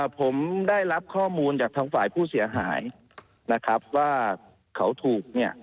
ผมได้รับข้อมูลจากทางฝ่ายผู้เสียหายนะครับว่าเขาถูกเนี่ย